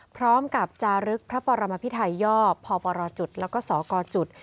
พร้อมกับจารึกพระปรมภิไทยย่อพปรจุดแล้วก็สกจุด